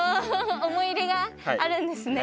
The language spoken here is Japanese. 思い入れがあるんですね。